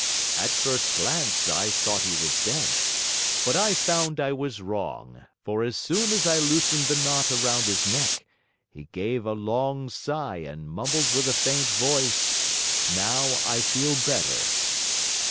"At first glance, I thought he was dead. But I found I was wrong, for as soon as I loosened the knot around his neck, he gave a long sigh and mumbled with a faint voice, 'Now I feel better!